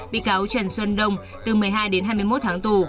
bị cáo trần xuân đông từ một mươi hai đến hai mươi một tháng tù